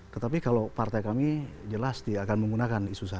tetapi kalau partai kami jelas dia akan menggunakan isu sara